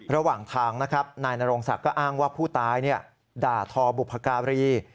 ระหว่างทางนางดวงกะมนต์ก็อ้างว่าผู้ตายด่าทอบุพการี